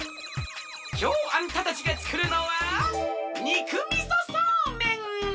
きょうあんたたちがつくるのは肉みそそうめん！